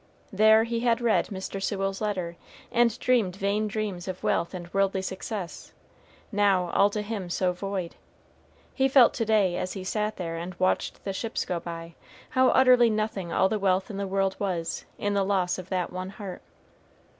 There he had read Mr. Sewell's letter, and dreamed vain dreams of wealth and worldly success, now all to him so void. He felt to day, as he sat there and watched the ships go by, how utterly nothing all the wealth in the world was, in the loss of that one heart.